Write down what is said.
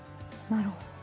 なるほど。